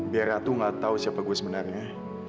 biar ratu gak tahu siapa gue sebenarnya